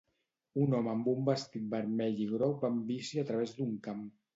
Un home amb un vestit vermell i groc va en bici a través d'un camp.